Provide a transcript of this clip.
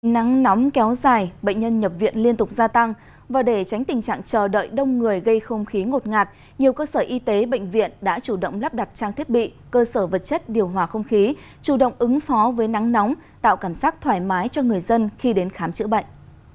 nắng nóng kéo dài bệnh nhân nhập viện liên tục gia tăng và để tránh tình trạng chờ đợi đông người gây không khí ngột ngạt nhiều cơ sở y tế bệnh viện đã chủ động lắp đặt trang thiết bị cơ sở vật chất điều hòa không khí chủ động ứng phó với nắng nóng tạo cảm giác thoải mái cho người dân khi đến khám chữa bệnh